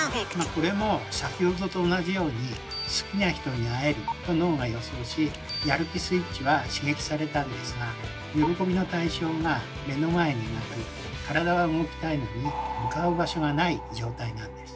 これも先ほどと同じように好きな人に会えると脳が予想しやる気スイッチは刺激されたんですが喜びの対象が目の前になく体は動きたいのに向かう場所がない状態なんです。